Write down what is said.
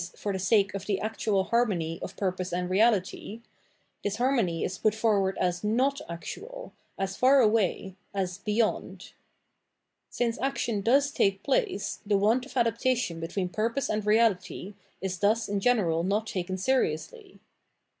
for the sake of the actual harmony of purpose and reality, this har mony is put forward as not actual, as far away, as " beyond." Since action does take place, the want of adaptation between purpose and reality is thus in general not taken seriously.